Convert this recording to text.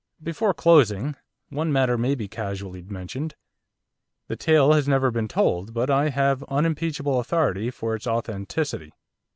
Before closing, one matter may be casually mentioned. The tale has never been told, but I have unimpeachable authority for its authenticity.